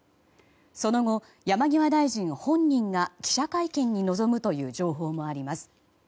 その後、山際大臣本人が記者会見に臨むという情報もあります。